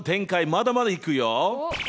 まだまだいくよ。